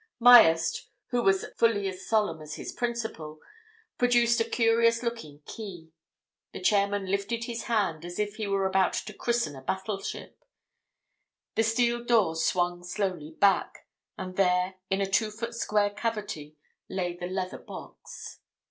Myerst, who was fully as solemn as his principal, produced a curious looking key: the chairman lifted his hand as if he were about to christen a battleship: the steel door swung slowly back. And there, in a two foot square cavity, lay the leather box.